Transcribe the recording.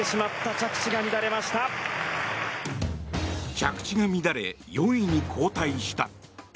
着地が乱れ、４位に後退した。